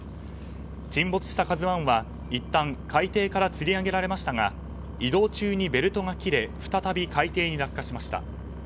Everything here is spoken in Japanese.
沈没した「ＫＡＺＵ１」はいったん海底からつり上げられましたが移動中にベルトが切れ再び海底に落下しました。